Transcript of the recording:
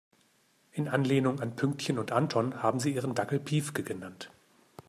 In Anlehnung an Pünktchen und Anton haben sie ihren Dackel Piefke genannt.